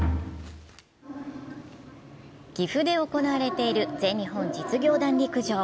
岐阜で行われている全日本実業団陸上。